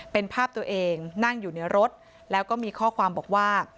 เป็นภาพตัวเองนั่งอยู่ในรถแล้วก็มีข้อความบอกว่า